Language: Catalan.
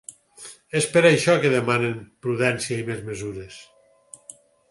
És per això que demanen prudència i més mesures.